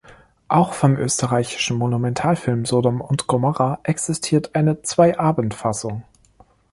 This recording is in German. Auch vom österreichischen Monumentalfilm "Sodom und Gomorrha" existierte eine „Zweiabend“-Fassung.